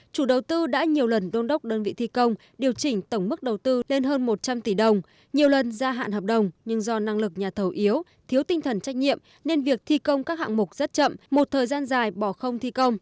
chủ đầu tư đã nhiều lần đôn đốc đơn vị thi công điều chỉnh tổng mức đầu tư lên hơn một trăm linh tỷ đồng nhiều lần gia hạn hợp đồng nhưng do năng lực nhà thầu yếu thiếu tinh thần trách nhiệm nên việc thi công các hạng mục rất chậm một thời gian dài bỏ không thi công